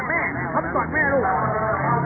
วิธีนักศึกษาติธรรมชาติ